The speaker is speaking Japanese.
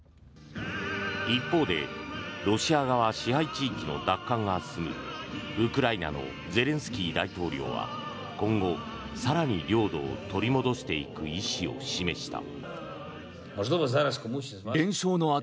一方でロシア側支配地域の奪還が進むウクライナのゼレンスキー大統領は今後、更に領土を取り戻していく意思を示した。